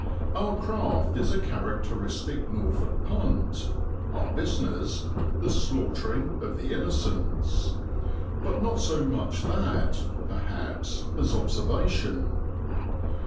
Our craft is a characteristic Norfolk punt, our business the slaughtering of the innocents; but not so much that, perhaps, as observation.